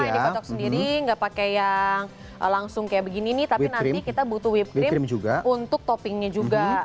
yang dikocok sendiri nggak pakai yang langsung kayak begini nih tapi nanti kita butuh whippe cream untuk toppingnya juga